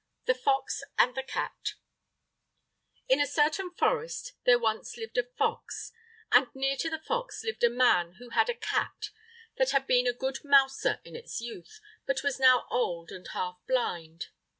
The Fox and the Cat In a certain forest there once lived a fox, and near to the fox lived a man who had a cat that had been a good mouser in its youth, but was now old and half blind.